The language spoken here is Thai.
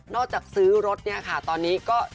จากซื้อรถเนี่ยค่ะตอนนี้ก็